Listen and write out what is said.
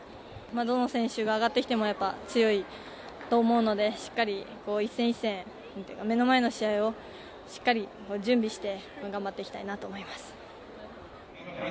どの選手が上がってきても強いと思うのでしっかり、一戦一戦目の前の試合をしっかり準備して頑張っていきたいなと思います。